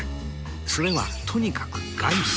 それはとにかく外資。